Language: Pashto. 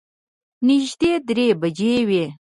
نږدې درې بجې وې.